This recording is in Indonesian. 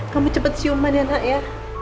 kamu cepet siuman ya nak ya